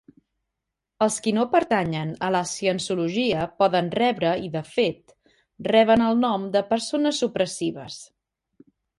Els qui no pertanyen a la cienciologia poden rebre i, de fet, reben el nom de "persones supressives".